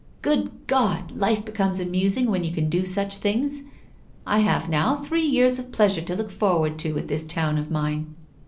"Good God! life becomes amusing when you can do such things. I have now three years of pleasure to look forward to with this town of mine.